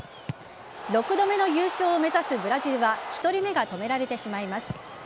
６度目の優勝を目指すブラジルは１人目が止められてしまいます。